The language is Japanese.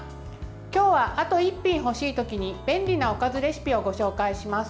今日はあと１品欲しい時に便利なおかずレシピをご紹介します。